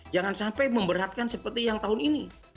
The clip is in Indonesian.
jangan sampai memberatkan seperti yang tahun ini